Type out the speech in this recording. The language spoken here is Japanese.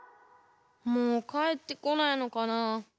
もうかえってこないのかなあ。